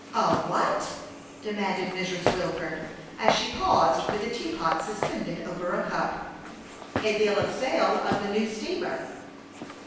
" A what ?" demanded Mrs. Wilford, as she paused with the teapot suspended over a cup. " A bill of sale of the new steamer